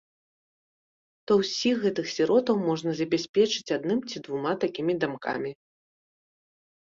То ўсіх гэтых сіротаў можна забяспечыць адным ці двума такімі дамкамі.